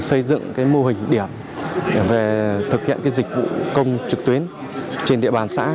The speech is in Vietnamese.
xây dựng mô hình điểm về thực hiện dịch vụ công trực tuyến trên địa bàn xã